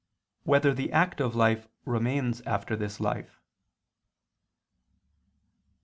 4] Whether the Active Life Remains After This Life?